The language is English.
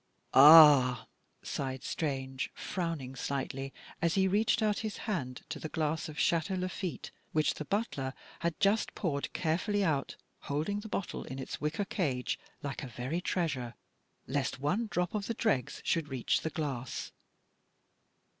" Ah !" sighed Strange, frowning slightly, as he reached out his hand to the glass of Ch&teau Lafite which the butler had just poured carefully out, holding the bottle in its wicker cage like a very treasure lest one drop of the dregs should reach the glass.